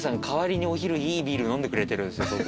代わりにお昼いいビール飲んでくれてるんですよ